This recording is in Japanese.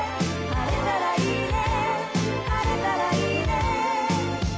「晴れたらいいね」